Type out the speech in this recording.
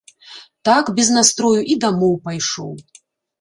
Так без настрою і дамоў пайшоў.